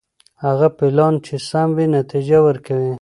هغه پلان چي سم وي نتيجه ورکوي.